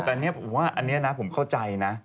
แต่ผมว่าอันนี้นะผมเข้าใจนะ